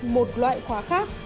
một loại khóa khác